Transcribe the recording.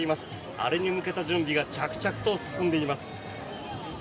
アレに向けた準備が着々と進んでいます。